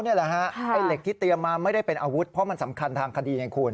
นี่แหละฮะไอ้เหล็กที่เตรียมมาไม่ได้เป็นอาวุธเพราะมันสำคัญทางคดีไงคุณ